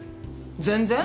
全然。